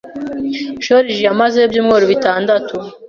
Joriji yamazeyo ibyumweru bitandatu.